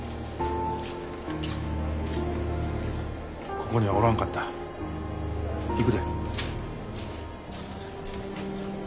ここにはおらんかった。行くで。